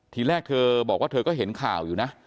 ทีแรกเธอบอกว่าเธอก็เห็นข่าวอยู่นะ